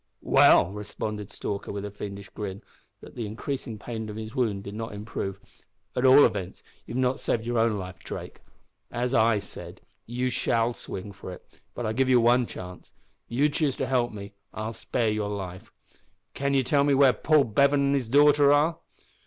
"Well," responded Stalker, with a fiendish grin, that the increasing pain of his wound did not improve, "at all events you have not saved your own life, Drake. As I said, you shall swing for it. But I'll give you one chance. If you choose to help me I will spare your life. Can you tell me where Paul Bevan and his daughter are?"